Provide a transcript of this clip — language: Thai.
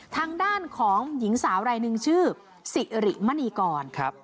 ทางด้านของหญิงสาวรายหนึ่งชื่อสิริมณีกร